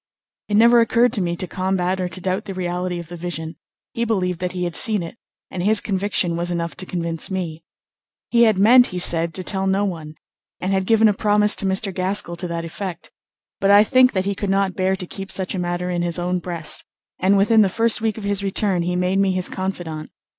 It never occurred to me to combat or to doubt the reality of the vision; he believed that he had seen it, and his conviction was enough to convince me. He had meant, he said, to tell no one, and had given a promise to Mr. Gaskell to that effect; but I think that he could not bear to keep such a matter in his own breast, and within the first week of his return he made me his confidant.